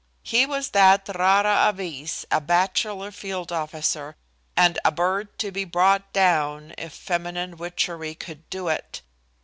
He was that rara avis a bachelor field officer, and a bird to be brought down if feminine witchery could do it.